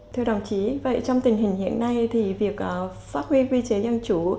thưa đồng chí trong tình hình hiện nay việc phát huy vi chế dân chủ